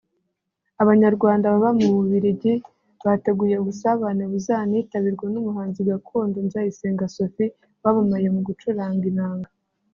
Abanyarwanda baba mu Bubiligi bateguye ubusabane buzanitabirwa n’umuhanzi gakondo Nzayisenga Sophie wamamaye mu gucuranga inanga